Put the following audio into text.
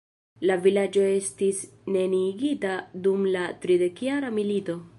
La vilaĝo estis neniigita dum la tridekjara milito.